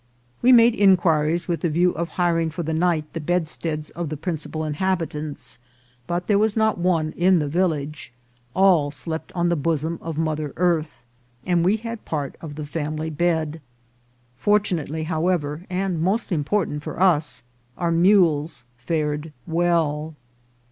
We made iHquiries with the view A. RUSTIC BRIDGE. 225 of hiring for the night the bedsteads of the principal in habitants, but there was not one in the village ; all slept on the bosom of mother earth, and we had part of the family bed. Fortunately, however, and most im portant for us, our mules fared well.